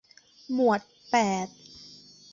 หมวดแปด